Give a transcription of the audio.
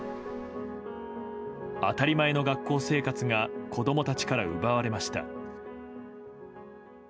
当たり前の学校生活が子供たちから奪われました。